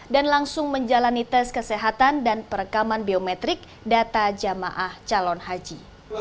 dan langsung menjalani tes kesehatan dan perekaman biometrik data jamaah calon haji